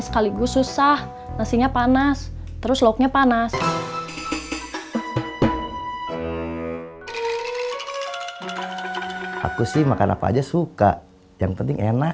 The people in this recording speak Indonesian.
sekaligus susah nasinya panas terus loknya panas aku sih makan apa aja suka yang penting enak